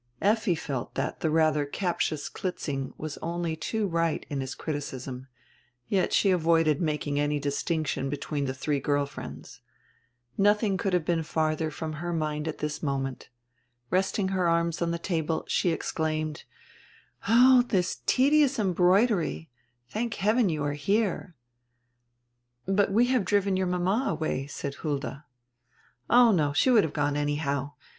Effi felt diat the ratiier captious Klitzing was only too right in his criti cism, yet she avoided making any distinction between the three girl friends. Nodiing could have been tardier from her mind at diis moment. Resting her arms on die table, she exclaimed: "Oh, this tedious embroidery! Thank heaven, you are here." "But we have driven your mama away," said Hulda. "Oh no. She would have gone anyhow.